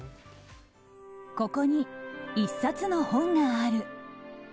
ここに１冊の本がある。